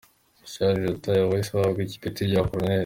Charles Lutaya wahise anahabwa ipeti rya Colonel.